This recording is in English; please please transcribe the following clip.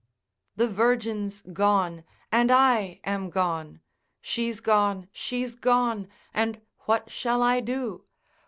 The virgin's gone, and I am gone, she's gone, she's gone, and what shall I do?